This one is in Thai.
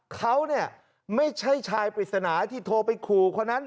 เขาเนี่ยไม่ใช่ชายปริศนาที่โทรไปขู่คนนั้น